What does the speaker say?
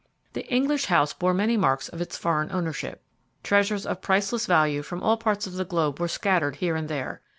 The English house bore many marks of its foreign ownership. Treasures of priceless value from all parts of the globe were scattered here and there.